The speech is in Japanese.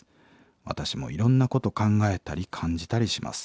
私もいろんなこと考えたり感じたりします。